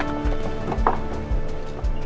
mbak elsa apa yang terjadi